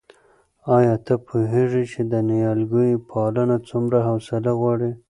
آیا ته پوهېږې چې د نیالګیو پالنه څومره حوصله غواړي؟